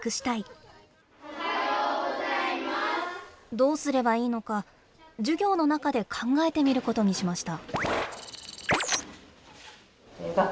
どうすればいいのか授業の中で考えてみることにしました。